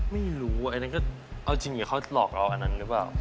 ไม่รู้อันนั้นก็เอาจริงเขาหลอกเราอันนั้นหรือเปล่า